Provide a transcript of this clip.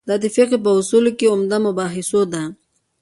دا د فقهې په اصولو کې عمده مباحثو ده.